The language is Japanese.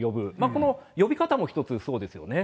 この呼び方も一つそうですよね。